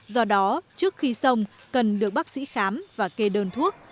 do đó trước khi xong cần được bác sĩ khám và kê đơn thuốc